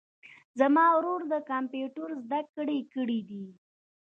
زما ورور د کمپیوټر زده کړي کړیدي